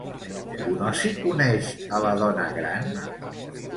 Bonosi coneix a la dona gran?